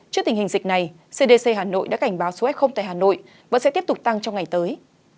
trước tình hình dịch này cdc hà nội đã cảnh báo số f tại hà nội và sẽ tiếp tục tăng trong ngày tới